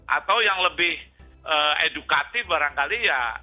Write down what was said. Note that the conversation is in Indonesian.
atau yang lebih edukatif barangkali ya